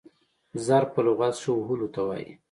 ضرب په لغت کښي وهلو ته وايي.